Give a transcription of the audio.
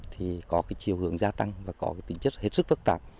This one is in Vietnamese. thì có cái chiều hướng gia tăng và có tính chất hết sức phức tạp